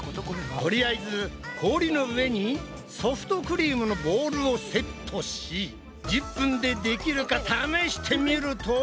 とりあえず氷の上にソフトクリームのボウルをセットし１０分でできるか試してみると。